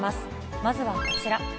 まずはこちら。